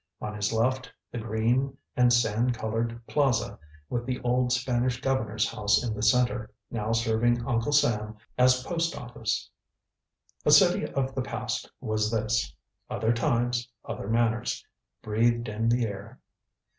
On his left the green and sand colored plaza, with the old Spanish governor's house in the center, now serving Uncle Sam as post office. A city of the past was this; "other times, other manners" breathed in the air.